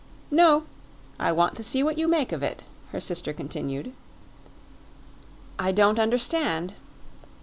"No; I want to see what you make of it," her sister continued. "I don't understand."